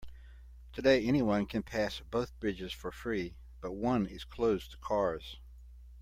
Today, anyone can pass both bridges for free, but one is closed to cars.